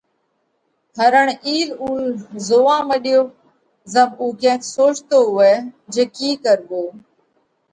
هرڻ اِيل اُول زوئا مڏيو، زم اُو ڪينڪ سوچتو هوئہ جي ڪِي ڪروو